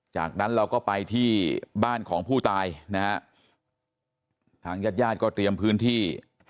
จากนั้นเราก็ไปที่บ้านของผู้ตายนะฮะทางญาติญาติก็เตรียมพื้นที่